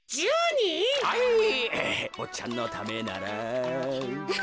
ぼっちゃんのためなら。